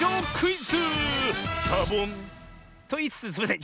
サボン！といいつつすいません。